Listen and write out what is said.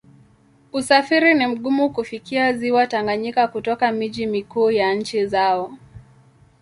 Usafiri ni mgumu kufikia Ziwa Tanganyika kutoka miji mikuu ya nchi zao.